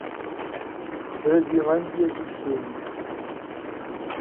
Brasilândia do Sul